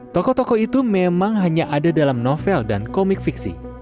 tokoh tokoh itu memang hanya ada dalam novel dan komik fiksi